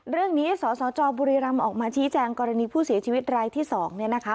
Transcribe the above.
เรื่องนี้สสจบุรีรำออกมาชี้แจงกรณีผู้เสียชีวิตรายที่๒เนี่ยนะคะ